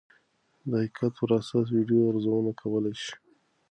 د کیفیت پر اساس ویډیو ارزونه کولی شئ.